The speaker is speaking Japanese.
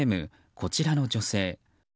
こちらの女性。